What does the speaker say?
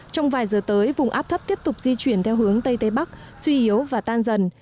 trong vài giờ tới vùng áp thấp tiếp tục di chuyển theo hướng tây tây bắc suy yếu và tan dần